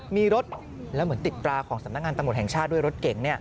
มีรถแล้วเหมือนติดตราของสำนักงานตำรวจแห่งชาติด้วยรถเก๋ง